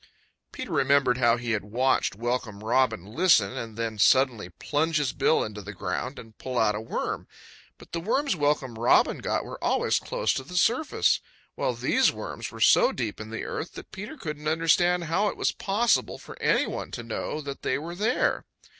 Peter remembered how he had watched Welcome Robin listen and then suddenly plunge his bill into the ground and pull out a worm. But the worms Welcome Robin got were always close to the surface, while these worms were so deep in the earth that Peter couldn't understand how it was possible for any one to know that they were there.